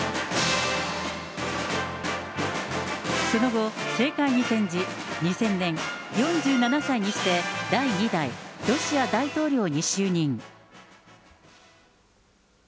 その後、政界に転じ、２０００年、４７歳にして第２代ロシア大統領に就任。